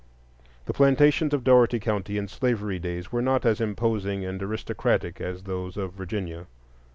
The plantations of Dougherty County in slavery days were not as imposing and aristocratic as those of Virginia.